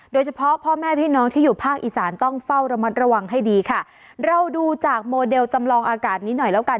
โดยเฉพาะพ่อแม่พี่น้องที่อยู่ภาคอีสานต้องเฝ้าระมัดระวังให้ดีค่ะเราดูจากโมเดลจำลองอากาศนี้หน่อยแล้วกัน